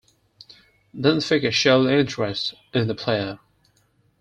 Benfica showed interest in the player.